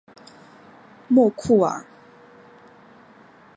莫库尔。